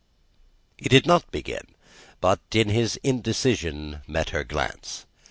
He did not begin, but, in his indecision, met her glance.